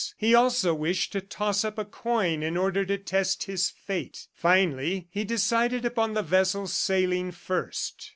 He also wished to toss up a coin in order to test his fate. Finally he decided upon the vessel sailing first.